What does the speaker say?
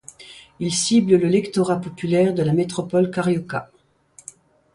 Il cible le lectorat populaire de la métropole carioca.